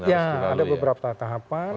ya ada beberapa tahapan